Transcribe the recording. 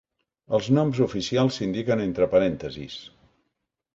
Els noms oficials s'indiquen entre parèntesis.